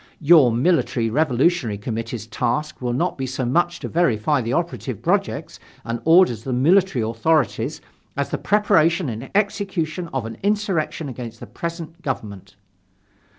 "Your Military Revolutionary Committee's task will not be so much to verify the operative projects and orders of the military authorities as the preparation and execution of an insurrection against the present government."